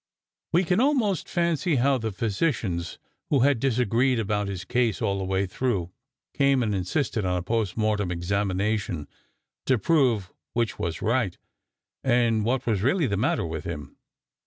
We can almost fancy how the physicians, who had disagreed about his case all the way through, came and insisted on a post mortem examination to prove which was right, and what was really the matter with him.